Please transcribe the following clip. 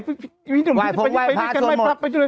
ไปไหนกันนะ